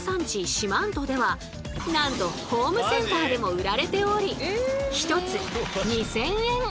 四万十ではなんとホームセンターでも売られており